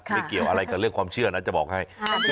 เกี่ยวอะไรกับเรื่องความเชื่อนะจะบอกให้